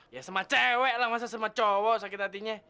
ya sama cewek lah masa semua cowok sakit hatinya